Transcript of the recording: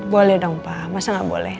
boleh dong pak masa nggak boleh